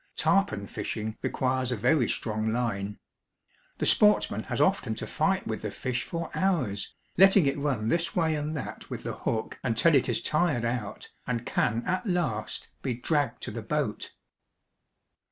Tarpon fishing re quires a very strong Hne. The sportsman has often to fight with the fish for hours, letting it run this way and that with the hook until it is tired out and can at last be dragged to the boat.